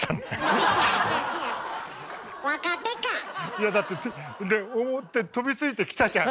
いやだって「おっ」て飛びついてきたじゃん。